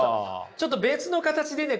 ちょっと別の形でね